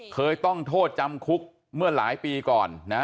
เคยต้องโทษจำคุกเมื่อหลายปีก่อนนะ